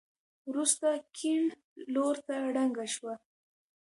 وروسته کيڼ لورته ړنګه شوه.